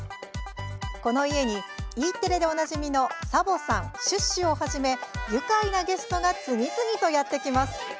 この家に、Ｅテレでおなじみのサボさん、シュッシュをはじめ愉快なゲストが次々とやって来ます。